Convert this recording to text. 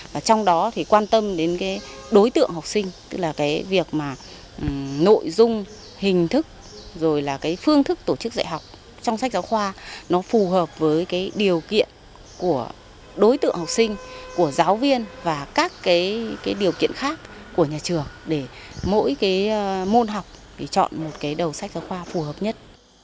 và trong đó thì quan tâm đến cái đối tượng học sinh tức là cái việc mà nội dung hình thức rồi là cái phương thức tổ chức dạy học trong sách giáo khoa nó phù hợp với cái điều kiện của đối tượng học sinh của giáo viên và các cái điều kiện khác của nhà trường để mỗi cái môn học để chọn một cái đầu sách giáo khoa phù hợp nhất